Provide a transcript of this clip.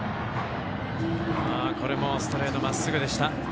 これもストレートまっすぐでした。